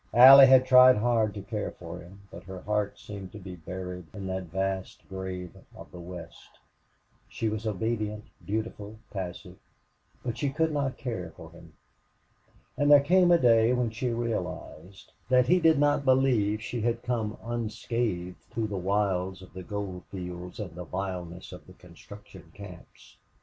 Allie had tried hard to care for him, but her heart seemed to be buried in that vast grave of the West. She was obedient, dutiful, passive, but she could not care for him. And there came a day when she realized that he did not believe she had come unscathed through the wilds of the gold fields and the vileness of the construction camps.